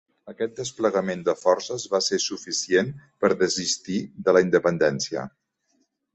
Aquest desplegament de forces va ser suficient per desistir de la independència.